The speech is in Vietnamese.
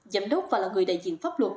giám đốc và là người đại diện pháp luật